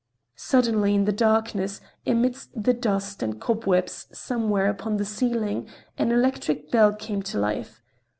Suddenly in the darkness, amidst the dust and cobwebs somewhere upon the ceiling, an electric bell came to life.